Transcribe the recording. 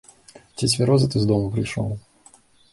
Ці цвярозы ты з дому прыйшоў?